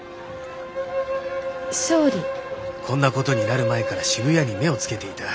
こんなことになる前から渋谷に目をつけていた。